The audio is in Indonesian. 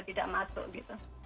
tidak masuk gitu